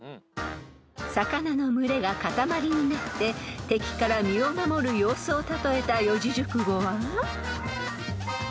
［魚の群れが固まりになって敵から身を守る様子を例えた四字熟語は］